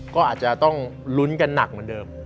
ก็อาจจะต้องลุ้นกันหนักเหมือนเดิม